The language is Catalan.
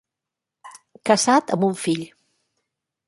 Casat amb un fill.